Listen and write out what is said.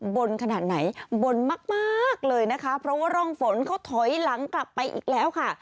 บนขนาดไหนบนมากมากเลยนะคะเพราะว่าร่องฝนเขาถอยหลังกลับไปอีกแล้วค่ะ